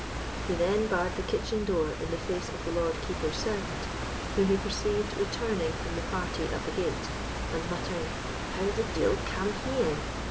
He then barred the kitchen door in the face of the Lord Keeper's servant, whom he perceived returning from the party at the gate, and muttering, "How the deil cam he in?